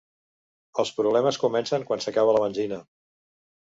Els problemes comencen quan s'acaba la benzina.